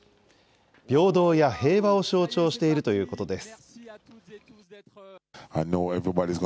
平等や平和を象徴しているということです。